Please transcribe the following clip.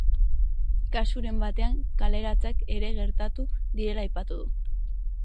Kasuren batean, kaleratzeak ere gertatu direla aipatu du.